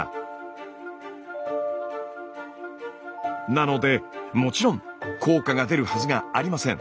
なのでもちろん効果が出るはずがありません。